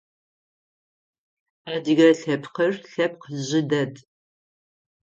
Адыгэ лъэпкъыр лъэпкъ жъы дэд.